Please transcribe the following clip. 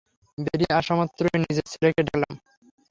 বেরিয়ে আসামাত্রই নিজের ছেলেকে ডাকলাম।